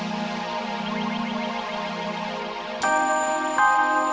sekarang aku pergi dulu ya